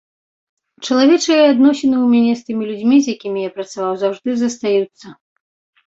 Чалавечыя адносіны ў мяне з тымі людзьмі, з якімі я працаваў, заўжды застаюцца.